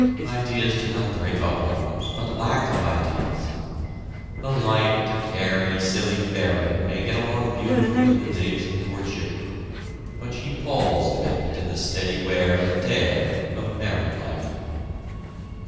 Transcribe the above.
Ideas do not break up homes, but lack of ideas. The light and airy silly fairy may get along beautifully in the days of courtship, but she palls a bit in the steady wear and tear of married life.